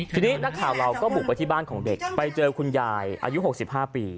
ทีนี้นักข่าวเราก็บุกไปที่บ้านของเด็กไปเจอคุณยายอายุ๖๕ปี